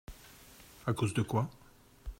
À cause de quoi ?